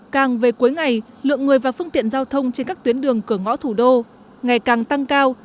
càng về cuối ngày lượng người và phương tiện giao thông trên các tuyến đường cửa ngõ thủ đô ngày càng tăng cao